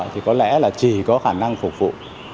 thì có lẽ là chỉ có khả năng phục vụ